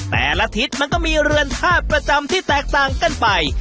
แต่ละทิศมันก็มีเรือนท่าประจำที่แตกต่างกันไป